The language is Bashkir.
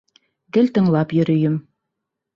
Гел тыңлап йөрөйөм.